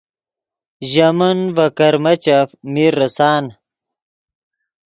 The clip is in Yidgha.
ژے من ڤے کرمیچف میر ریسان